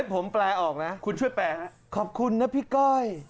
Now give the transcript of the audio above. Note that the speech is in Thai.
ผมแปลออกนะคุณช่วยแปลฮะขอบคุณนะพี่ก้อย